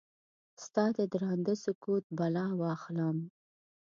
ستا ددرانده سکوت بلا واخلم؟